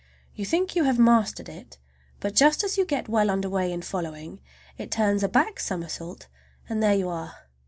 You think you have mastered it, but just as you get well under way in following, it turns a back somersault and there you are.